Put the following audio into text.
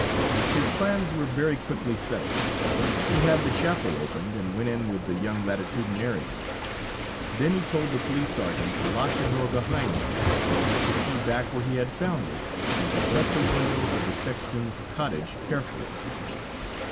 His plans were very quickly settled. He had the chapel opened and went in with the young Latitudinarian; then he told the police sergeant to lock the door behind him and to put the key back where he had found it, and to shut the window of the sexton's cottage carefully.